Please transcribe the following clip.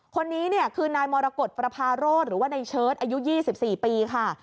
คนนี้เนี่ยคือนายมรกฏประพาโรธหรือว่าในเชิดอายุ๒๔ปีค่ะ